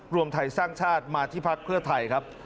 รวมไทยสร้างชาติมาที่พักเพื่อไทยครับ